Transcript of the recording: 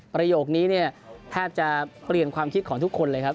ประโยคนี้เนี่ยแทบจะเปลี่ยนความคิดของทุกคนเลยครับ